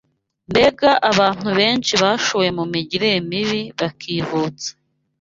mbega abantu benshi bashowe mu migirire mibi bakivutsa